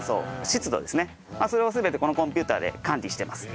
それを全てこのコンピューターで管理してます。